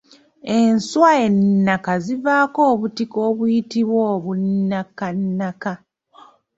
Enswa ennaka zivaako obutiko obuyitibwa obunnakannaka.